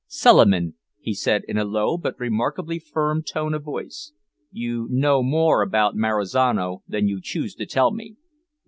"Suliman," he said, in a low but remarkably firm tone of voice, "you know more about Marizano than you choose to tell me.